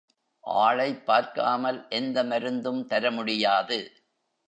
ஆளைப் பார்க்காமல் எந்த மருந்தும் தரமுடியாது.